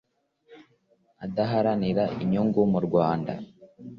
Adaharanira inyungu mu rwanda